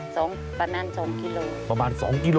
ส่งประมาณสองกิโล